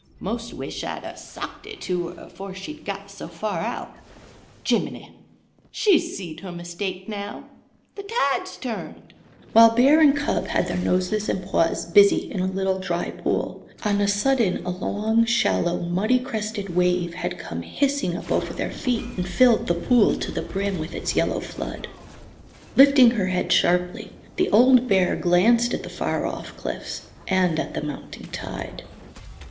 Most wish I'd 'a' socked it to her afore she'd got so fur out Jiminy! She's seed her mistake now! The tide's turned." While bear and cub had their noses and paws busy in a little dry pool, on a sudden a long, shallow, muddy crested wave had come hissing up over their feet and filled the pool to the brim with its yellow flood. Lifting her head sharply, the old bear glanced at the far off cliffs, and at the mounting tide.